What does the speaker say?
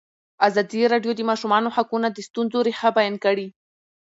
ازادي راډیو د د ماشومانو حقونه د ستونزو رېښه بیان کړې.